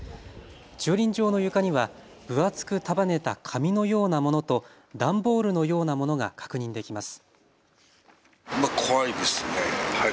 駐輪場の床には分厚く束ねた紙のようなものと段ボールのようなものが確認できます。